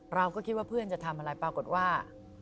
เราก็คิดว่าเพื่อนจะทำอะไรปรากฏว่า